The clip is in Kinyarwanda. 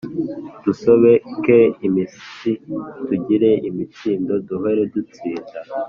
Dusobeke imitsi tugire imitsindo duhore dutsinda